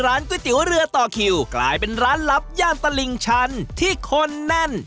ก๋วยเตี๋ยวเรือต่อคิวกลายเป็นร้านลับย่านตลิ่งชันที่คนแน่น